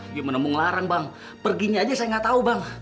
dia menembung larang bang perginya aja saya nggak tahu bang